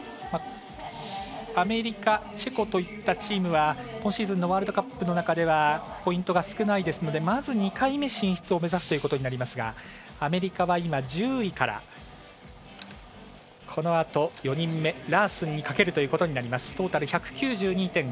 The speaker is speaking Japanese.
アメリカ、チェコといったチームは今シーズンのワールドカップの中ではポイント少ないのでまず２回目進出を目指すということになりますがアメリカは今、１０位からこのあと、４人目のラースンにかけるということになります。